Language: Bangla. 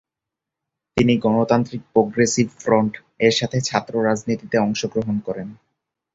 তিনি "গণতান্ত্রিক প্রোগ্রেসিভ ফ্রন্ট" এর সাথে ছাত্র রাজনীতিতে অংশগ্রহণ করেন।